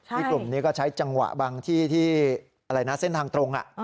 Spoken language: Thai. ที่กลุ่มนี้ก็ใช้จังหวะบางที่ที่เส้นทางตรง